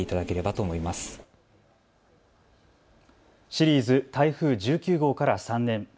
シリーズ台風１９号から３年。